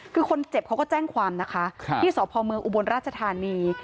คือคนเจ็บเขาก็แจ้งความนะคะที่สพเมืองอุบลราชธานี